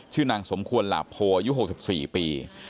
ชื่อนางสมควรหลาบโพยุ๖๔ปี